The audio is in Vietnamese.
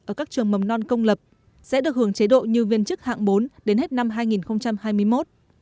ở các trường mầm non công lập sẽ được hưởng chế độ như viên chức hạng bốn đến hết năm hai nghìn hai mươi một